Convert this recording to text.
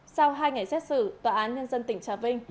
sau hai ngày xét xử tòa án nhân dân tỉnh trà vinh